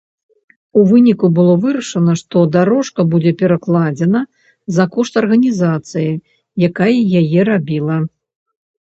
У выніку было вырашана, што дарожка будзе перакладзена за кошт арганізацыі, якая яе рабіла.